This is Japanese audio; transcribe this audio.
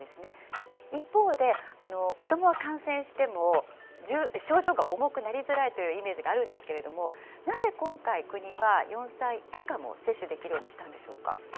でも、一方で子どもは感染しても、症状が重くなりづらいというイメージがあるんですけれども、なぜ今回、国は４歳以下も接種できるようにしたんでしょうか。